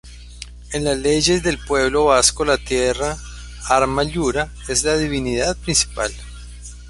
En las leyendas del pueblo vasco, la Tierra, "Ama-Lurra", es la divinidad principal.